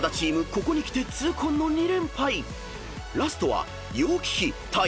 ここにきて痛恨の２連敗］［ラストは］